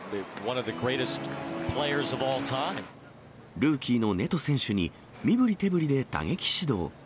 ルーキーのネト選手に、身ぶり手ぶりで打撃指導。